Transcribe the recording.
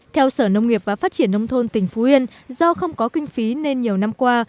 theo sở nông nghiệp và phát triển nông thôn tỉnh phú yên do không có kinh phí nên nhiều năm qua